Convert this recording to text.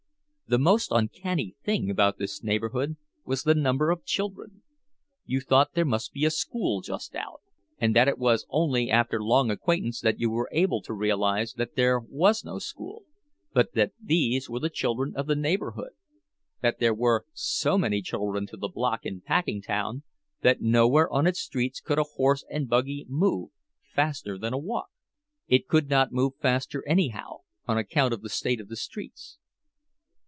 The most uncanny thing about this neighborhood was the number of the children; you thought there must be a school just out, and it was only after long acquaintance that you were able to realize that there was no school, but that these were the children of the neighborhood—that there were so many children to the block in Packingtown that nowhere on its streets could a horse and buggy move faster than a walk! It could not move faster anyhow, on account of the state of the streets.